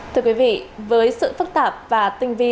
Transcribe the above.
thưa quý vị với sự phức tạp và tinh vi